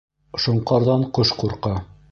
Шоңҡарҙан ҡош ҡурҡа